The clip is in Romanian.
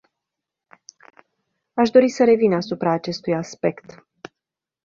Aș dori să revin asupra acestui aspect.